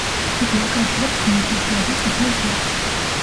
იგი აკავშირებს ხმელთაშუა და წითელ ზღვებს.